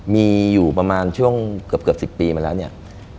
มีอยู่ประมาณช่วงเกือบ๑๐ปีมาแล้วเนี่ย